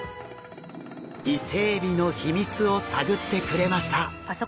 イセエビの秘密を探ってくれました。